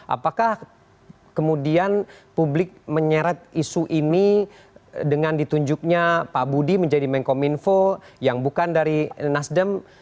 apakah kemudian publik menyeret isu ini dengan ditunjuknya pak budi menjadi menkom info yang bukan dari nasdem